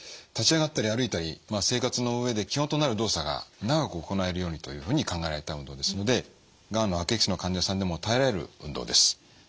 立ち上がったり歩いたり生活の上で基本となる動作が長く行えるようにというふうに考えられた運動ですのでがん悪液質の患者さんでも耐えられる運動です。